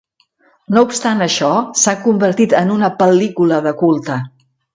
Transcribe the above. No obstant això, s'ha convertit en una pel·lícula de culte.